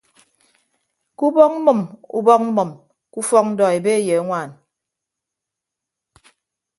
Ke ubọk mmʌm ubọk mmʌm ke ufọk ndọ ebe ye añwaan.